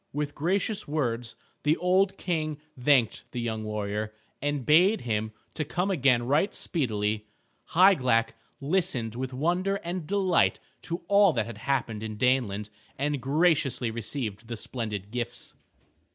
With gracious words the old King thanked the young warrior, and bade him to come again right speedily. Hygelac listened with wonder and delight to all that had happened in Daneland and graciously received the splendid gifts.